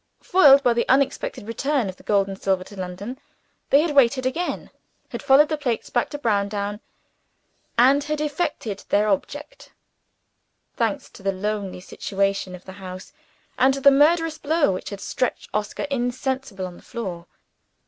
Foiled by the unexpected return of the gold and silver to London, they had waited again, had followed the plates back to Browndown, and had effected their object thanks to the lonely situation of the house, and to the murderous blow which had stretched Oscar insensible on the floor.